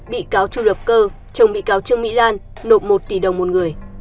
bị cáo chu lập cơ chồng bị cáo trương mỹ lan nộp một tỷ đồng một người